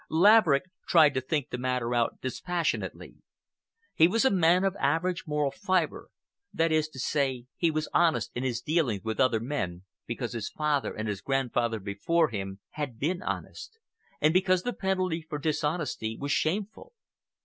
Laverick tried to think the matter out dispassionately. He was a man of average moral fibre—that is to say, he was honest in his dealings with other men because his father and his grandfather before him had been honest, and because the penalty for dishonesty was shameful.